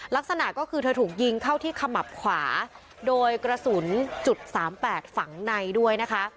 ลักษณะก็คือเธอถูกยิงเข้าที่ขมับขวาโดยกระสุนจุดสามแปดฝังในด้วยนะคะ